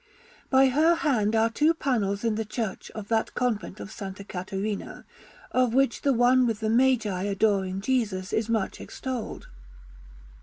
By her hand are two panels in the Church of that Convent of S. Caterina, of which the one with the Magi adoring Jesus is much extolled.